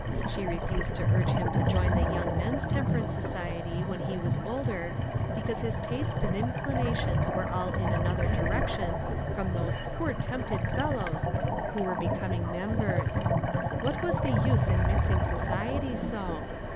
She refused to urge him to join the Young Men's Temperance Society when he was older, because his tastes and inclina tions were all in another direction from those "poor tempted fellows" who were be coming members. What was the use in mixing society so?